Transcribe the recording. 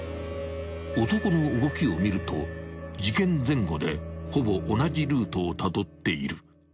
［男の動きを見ると事件前後でほぼ同じルートをたどっている］